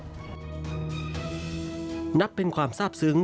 ภาคอีสานแห้งแรง